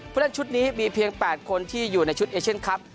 ผู้เล่นชุดนี้มีเพียง๘คนที่อยู่ในชุดเอเชียนคลับ